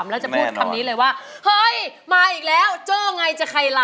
แล้วจะพูดคำนี้เลยว่าเฮ้ยมาอีกแล้วโจ้ไงจะใครล่ะ